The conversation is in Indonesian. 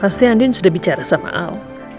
pasti andien sudah bicara sama alsemery ya